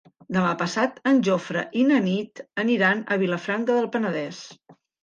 Demà passat en Jofre i na Nit aniran a Vilafranca del Penedès.